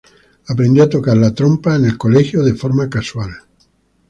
Aprendió a tocar la trompa en el colegio de forma casual.